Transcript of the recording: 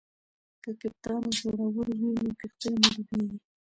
که کپتان زړور وي نو کښتۍ نه ډوبیږي.